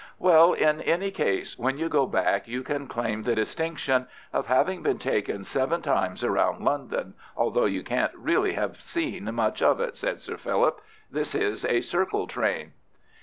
"Well, in any case, when you go back you can claim the distinction of having been taken seven times round London, although you can't really have seen much of it," said Sir Philip. "This is a Circle train."